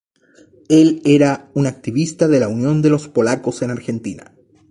Él era un activista de la Unión de los Polacos en Argentina.